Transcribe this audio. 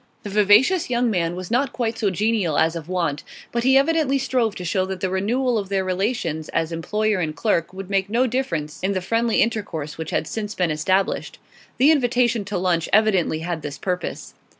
The vivacious young man was not quite so genial as of wont, but he evidently strove to show that the renewal of their relations as employer and clerk would make no difference in the friendly intercourse which had since been established; the invitation to lunch evidently had this purpose.